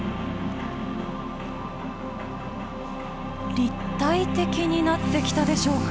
立体的になってきたでしょうか？